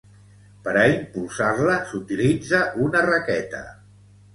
Per a impulsar-la s'utilitza una raqueta.